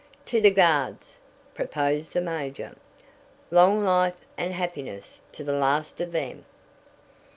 "To the Guards!" proposed the major. "Long life and happiness to the last of them!"